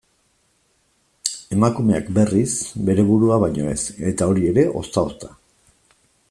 Emakumeak, berriz, bere burua baino ez, eta hori ere ozta-ozta.